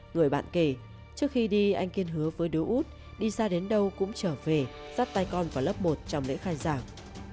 người bạn kể trước khi đi anh kiên hứa với đối út đi ra đến đâu cũng trở về dắt tay con vào lớp một trong lễ khai giảng